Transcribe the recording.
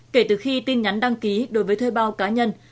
kể từ khi tin nhắn đăng ký đối với thuê bao cá nhân